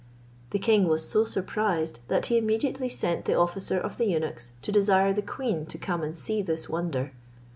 The king was so surprised that he immediately sent the officer of the eunuchs to desire the queen to come and see this wonder.